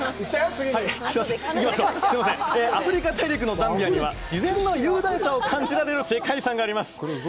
次にはいすいませんいきましょうアフリカ大陸のザンビアには自然の雄大さを感じられる世界遺産があります